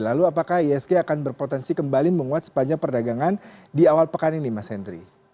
lalu apakah isg akan berpotensi kembali menguat sepanjang perdagangan di awal pekan ini mas henry